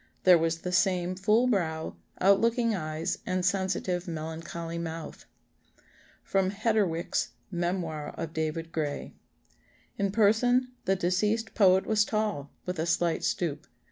There was the same full brow, out looking eyes, and sensitive melancholy mouth." [Sidenote: Hedderwick's Memoir of David Gray.] "In person, the deceased poet was tall, with a slight stoop.